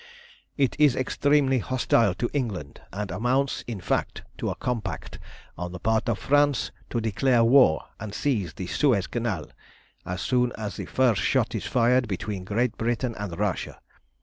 "It is extremely hostile to England, and amounts, in fact, to a compact on the part of France to declare war and seize the Suez Canal, as soon as the first shot is fired between Great Britain and Russia.